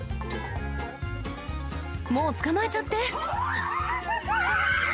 もう捕まえちゃって。